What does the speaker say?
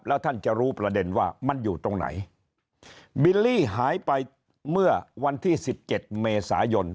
แล้วท่านจะรู้ประเด็นว่ามันอยู่ตรงไหนบิลลี่หายไปเมื่อวันที่สิบเจ็ดเมษายน